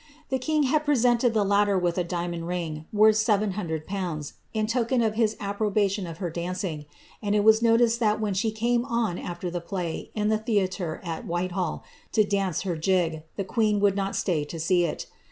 * The king had presented the latter with a diamond ring )0/^ in token of his approbation of her dancing, and it was hat when she came on after the play in the theatre at Whitehall, her jig, the queen would not stay to see it.